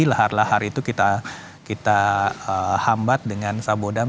lahar lahar itu kita hambat dengan sabodam